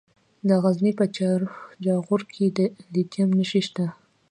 د غزني په جاغوري کې د لیتیم نښې شته.